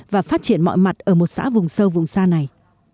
và phát triển mọi mặt ở một xã vùng sâu vùng xa này